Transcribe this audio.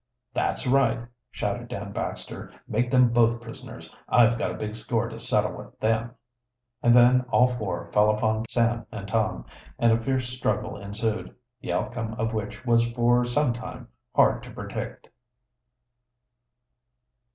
"That's right!" shouted Dan Baxter. "Make them both prisoners! I've got a big score to settle with them!" And then all four fell upon Sam and Tom, and a fierce struggle ensued, the outcome of which was for some time hard to predict.